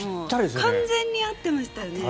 完全に合ってましたよね。